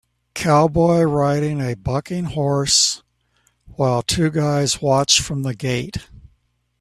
Cowboy riding a bucking horse, while two guys watch from the gate.